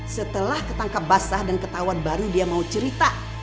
setelah ketangkap basah dan ketahuan baru dia mau cerita